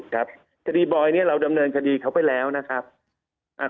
คดีบอยนี้เราดำเนินคดีเขาไปแล้วนะครับ